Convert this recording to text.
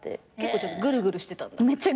めちゃグルグルしてた。